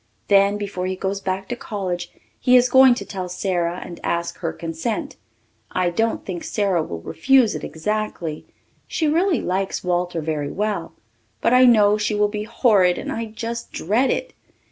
Then before he goes back to college he is going to tell Sara and ask her consent. I don't think Sara will refuse it exactly. She really likes Walter very well. But I know she will be horrid and I just dread it.